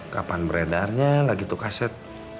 kapan beredarnya lagi tuh kaset